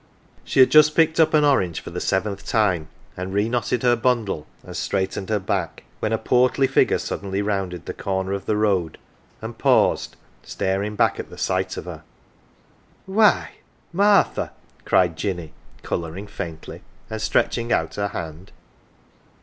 She had just picked up an orange for the seventh time, and re knotted her bundle and straightened her back, when a portly figure suddenly rounded the corner of the road, and paused, starting back at sight of her. " Why, Martha !" cried Jinny, colouring faintly, and stretching out her hand.